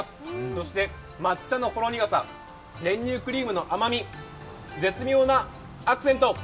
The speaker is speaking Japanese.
そして抹茶のほろ苦さ、練乳クリームの甘み、絶妙なアクセント